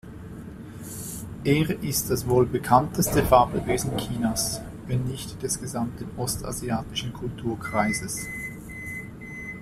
Er ist das wohl bekannteste Fabelwesen Chinas, wenn nicht des gesamten ostasiatischen Kulturkreises.